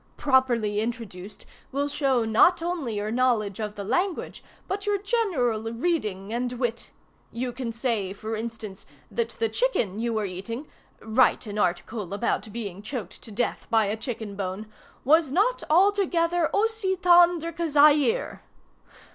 Properly introduced, will show not only your knowledge of the language, but your general reading and wit. You can say, for instance, that the chicken you were eating (write an article about being choked to death by a chicken bone) was not altogether aussi tendre que Zaire.